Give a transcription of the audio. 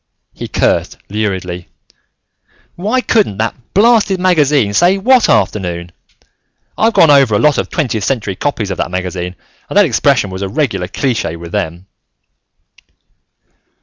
He cursed luridly. "Why couldn't that blasted magazine say what afternoon? I've gone over a lot of twentieth century copies of that magazine and that expression was a regular cliche with them."